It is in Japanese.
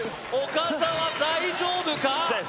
岡澤大丈夫か？